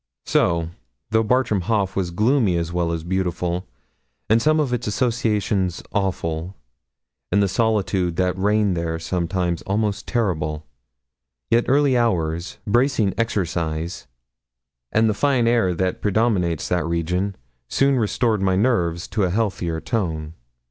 So, though Bartram Haugh was gloomy as well as beautiful, and some of its associations awful, and the solitude that reigned there sometimes almost terrible, yet early hours, bracing exercise, and the fine air that predominates that region, soon restored my nerves to a healthier tone.